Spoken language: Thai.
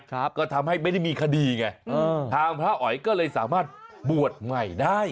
ครับก็ทำให้ไม่ได้มีคดีไงทางพระอ๋อยก็เลยสามารถบวชใหม่ได้